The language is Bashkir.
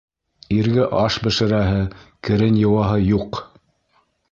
Иргә аш бешерәһе, керен йыуаһы юҡ!